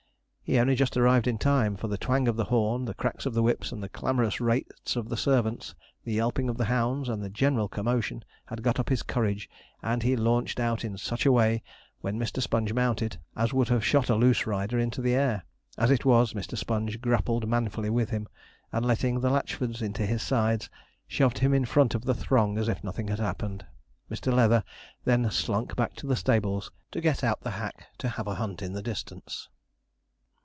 He only just arrived in time; for the twang of the horn, the cracks of the whips, the clamorous rates of the servants, the yelping of the hounds, and the general commotion, had got up his courage, and he launched out in such a way, when Mr. Sponge mounted, as would have shot a loose rider into the air. As it was, Mr. Sponge grappled manfully with him, and, letting the Latchfords into his sides, shoved him in front of the throng, as if nothing had happened. Mr. Leather then slunk back to the stables, to get out the hack to have a hunt in the distance.